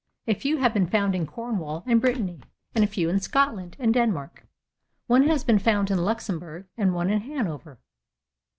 A few have been found in Cornwall and Brittany, and a few in Scotland and Denmark. One has been found in Luxemburg and one in Hanover.